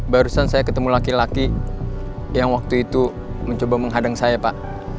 barusan saya ketemu laki laki yang waktu itu mencoba menghadang saya pak